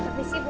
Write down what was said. apa sih bu